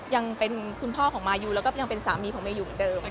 ยังเป็นคุณพ่อของมายูแล้วก็ยังเป็นสามีของเมย์อยู่เหมือนเดิม